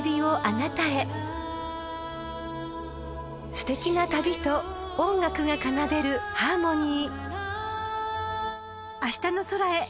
［すてきな旅と音楽が奏でるハーモニー］